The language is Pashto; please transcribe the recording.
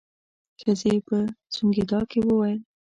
ښځې په سونګېدا کې وويل.